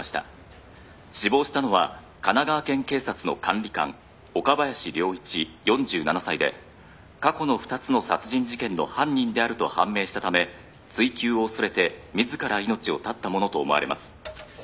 「死亡したのは神奈川県警察の管理官・岡林良一４７歳で過去の２つの殺人事件の犯人であると判明したため追及を恐れてみずから命を絶ったものと思われます」